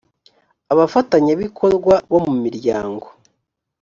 abafatanyabikorwa bo mu miryango